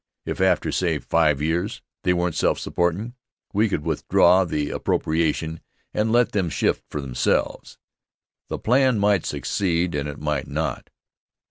If, after say five years, they weren't self supportin', we could withdraw the appropriation and let them shift for themselves. The plan might succeed and it might not.